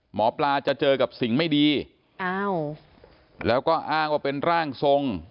หมอปลาจะเจอกับสิ่งไม่ดีอ้าวแล้วก็อ้างว่าเป็นร่างทรง